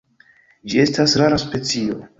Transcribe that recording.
Ĝi estas rara specio.